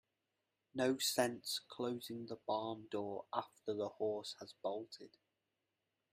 No sense closing the barn door after the horse has bolted.